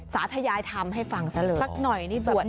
สาธิายายทำให้ฟังซะลืม